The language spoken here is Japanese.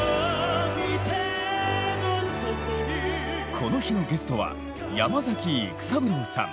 この日のゲストは山崎育三郎さん。